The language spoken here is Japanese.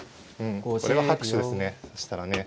これは拍手ですね指したらね。